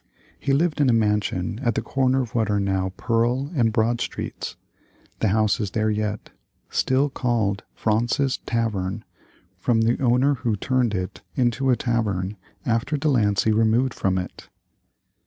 He lived in a mansion at the corner of what are now Pearl and Broad Streets. The house is there yet, still called Fraunces's Tavern from the owner who turned it into a tavern after De Lancey removed from it.